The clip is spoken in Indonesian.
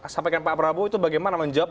sampaikan pak prabowo itu bagaimana menjawab